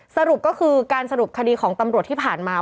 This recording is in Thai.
สรุปก็คือการสรุปคดีของตำรวจที่ผ่านมา